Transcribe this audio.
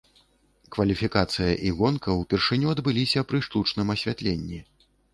Кваліфікацыя і гонка ўпершыню адбыліся пры штучным асвятленні.